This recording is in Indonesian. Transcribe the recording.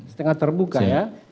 setengah terbuka ya